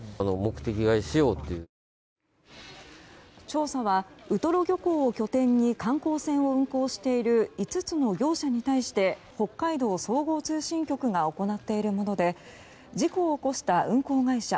調査はウトロ漁港を拠点に観光船を運航している５つの業者に対して北海道総合通信局が行っているもので事故を起こした運航会社